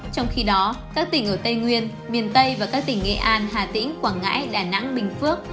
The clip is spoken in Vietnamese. trong khi đó các tỉnh ở tây nguyên miền tây và các tỉnh nghệ an hà tĩnh quảng ngãi đà nẵng bình phước